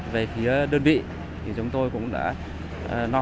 về phía đơn vị thì chúng tôi cũng đã lo